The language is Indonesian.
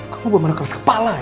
kamu baru menekan sekepala ya